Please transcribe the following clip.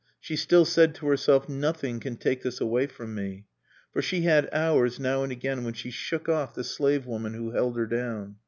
She still said to herself "Nothing can take this away from me." For she had hours, now and again, when she shook off the slave woman who held her down.